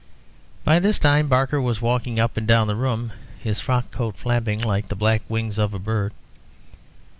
By this time Barker was walking up and down the room, his frock coat flapping like the black wings of a bird.